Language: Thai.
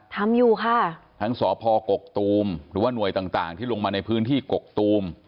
ทำอยู่ค่ะทั้งสพกกตูมหรือว่าหน่วยต่างต่างที่ลงมาในพื้นที่กกตูม